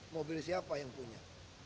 mobil siapa yang punya